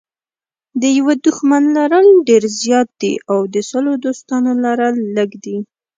د یوه دښمن لرل ډېر زیات دي او د سلو دوستانو لرل لږ دي.